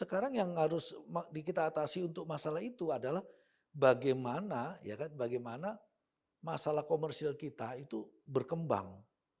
sekarang yang harus di kita atasi untuk masalah itu adalah bagaimana ya kan bagaimana masalah komersil kita itu berkembang